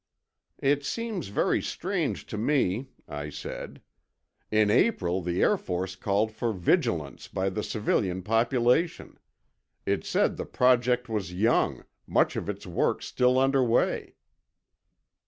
"It seems very strange to me," I said. "In April, the Air Force called for vigilance by the civilian population. It said the project was young, much of its work still under way."